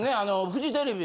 フジテレビ。